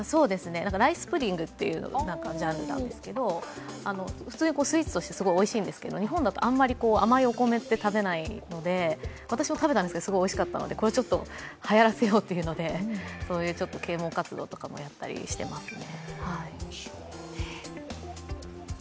ライスプディングというジャンルなんですけど、普通にスイーツとしてすごいおいしいんですけど日本だとあんまり甘いお米って食べないので、私も食べたんですけど、すごいおいしかったので、これをはやらせようということでそういう啓蒙活動をやったりしてますね。